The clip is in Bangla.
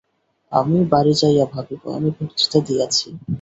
আমি বাড়ী যাইয়া ভাবিব, আমি বক্তৃতা দিয়াছি।